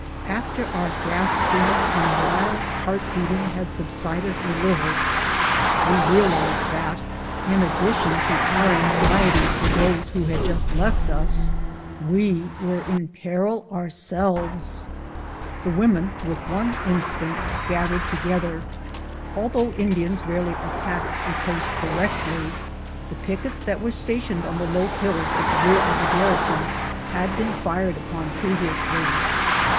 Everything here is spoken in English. After our gasping and wild heart beating had sub sided a little, we realized that, in addition to our anxiety for those who had just left us, we were in peril our selves. The women, with one instinct, gathered togeth er. Though Indians rarely attack a post directly, the pickets that were stationed on the low hills at the rear of the garrison had been fired upon previously.